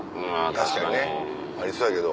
確かにねありそうやけど。